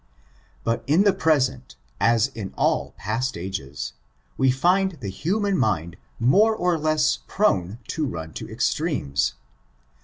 But in the present, as in all past ages, we find the human mind more or less prone to run to extremes.